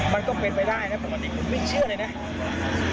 มันก็เป็นไปได้นะปกติผมไม่เชื่อเลยนะ